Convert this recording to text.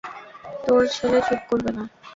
তোর ছেলে চুপ করবে না?